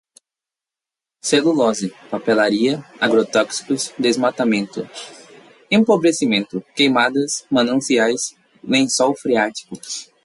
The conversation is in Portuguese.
celulose, papeleira, agrotóxicos, desmatamento, empobrecimento, queimadas, mananciais, lençol freático